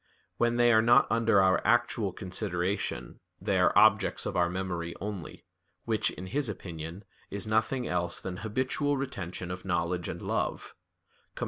When they are not under our actual consideration, they are objects of our memory only, which, in his opinion, is nothing else than habitual retention of knowledge and love [*Cf.